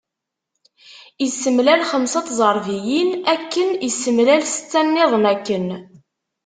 Issemlal xemsa n tẓerbiyin akken, issemlal setta-nniḍen akken.